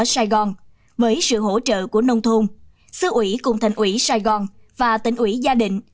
sài gòn với sự hỗ trợ của nông thôn xứ ủy cùng thành ủy sài gòn và tỉnh ủy gia định